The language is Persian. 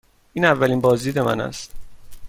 این اولین بازدید من است.